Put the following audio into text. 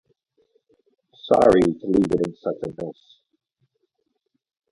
Sorry to leave it in such a mess.